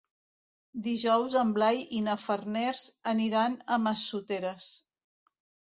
Dijous en Blai i na Farners aniran a Massoteres.